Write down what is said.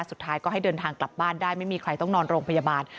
สุดท้ายก็ให้เดินทางกลับบ้านได้ไม่มีใครต้องนอนโรงพยาบาล